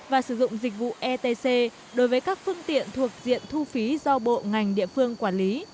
và sử dụng dịch vụ etc đối với các phương tiện thuộc diện thu phí do bộ ngành địa phương quản lý